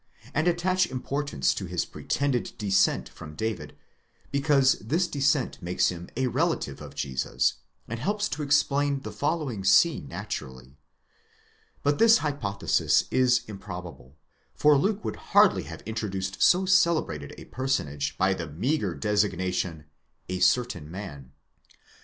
and attach importance to his pretended descent from David, because this descent makes him a relative of Jesus, and helps to explain the following scene naturally ; but this hypo thesis is improbable, for Luke would hardly have introduced so celebrated a personage by the meagre designation, ἄνθρωπός τις, (a certain man).